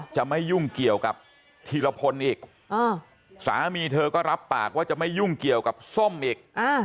จะไม่ยุ่งเกี่ยวกับธีรพลอีกสามีเธอก็รับปากว่าจะไม่ยุ่งเกี่ยวกับส้มอีก